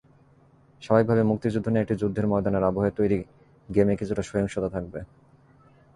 স্বাভাবিকভাবেই মুক্তিযুদ্ধ নিয়ে একটি যুদ্ধের ময়দানের আবহে তৈরি গেমে কিছুটা সহিংসতা থাকবে।